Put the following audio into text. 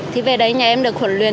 thì về đấy nhà em được huấn luyện